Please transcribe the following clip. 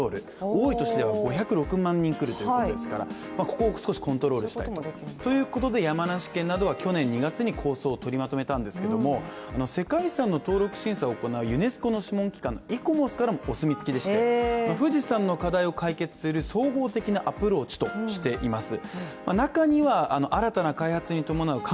多い年では５０６万人来るということですからここを少しコントロールしたいということで山梨県などが去年２月に構想を取りまとめたんですけれども、世界遺産の登録審査を行うユネスコの諮問機関＝ＩＣＯＭＯＳからもお墨付きでして富士山の課題を解決する総合的なアプローチとしています。